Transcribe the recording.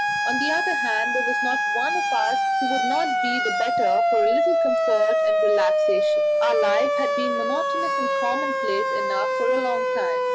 On the other hand, there was not one of us who would not be the better for a little comfort and relaxation; our life had been monotonous and commonplace enough for a long time.